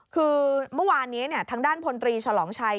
คือเมื่อวานนี้ทางด้านพลตรีฉลองชัย